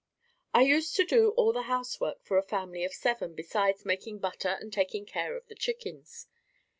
I used to do all the housework for a family of seven besides making butter and taking care of the chickens.